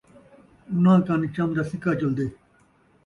انہاں کن چم دا سکہ چلدے